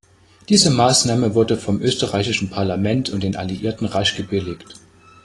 Diese Maßnahme wurde vom österreichischen Parlament und den Alliierten rasch gebilligt.